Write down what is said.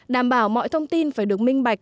đảm bảo mọi thông tin phải được minh bạch